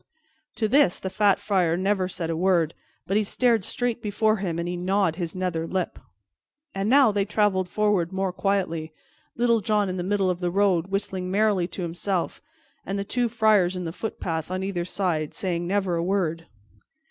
To this the fat Friar said never a word, but he stared straight before him, and he gnawed his nether lip. And now they traveled forward more quietly, Little John in the middle of the road whistling merrily to himself, and the two friars in the footpath on either side saying never a word.